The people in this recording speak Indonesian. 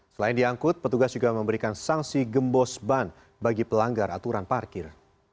selain diangkut petugas juga memberikan sanksi gembos ban bagi pelanggar aturan parkir